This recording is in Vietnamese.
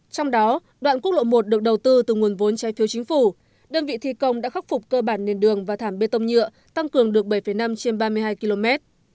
trong đó đoạn quốc lộ một được đầu tư từ nguồn vốn trai phiêu chính phủ đơn vị thi công đã khắc phục cơ bản nền đường và thảm bê tông nhựa tăng cường được bảy năm trên ba mươi hai km